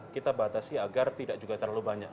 kita batasi agar tidak juga terlalu banyak